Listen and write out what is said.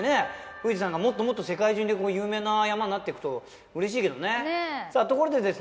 富士山がもっともっと世界中で有名な山になっていくと嬉しいけどねさあところでですね